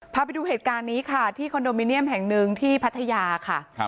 พาไปดูเหตุการณ์นี้ค่ะที่คอนโดมิเนียมแห่งหนึ่งที่พัทยาค่ะ